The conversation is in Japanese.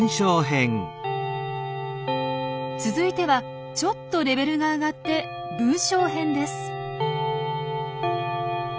続いてはちょっとレベルが上がって文章編です。